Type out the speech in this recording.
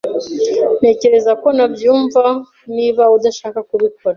Ntekereza ko, Nabyumva niba udashaka kubikora.